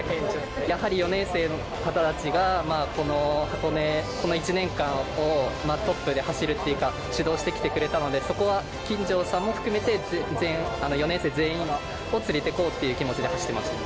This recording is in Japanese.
やはり４年生の方たちがこの箱根、この１年間をトップで走るっていうか、指導してきてくれたので、そこは金城さんも含めて、４年生全員を連れていこうという気持ちで走っていました。